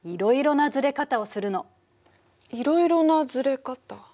いろいろなずれ方。